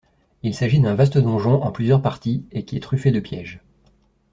Il s'agit d'un vaste donjon en plusieurs parties et qui est truffé de pièges.